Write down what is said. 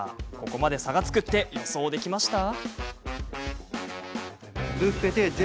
ここまで差がつくって予想できました？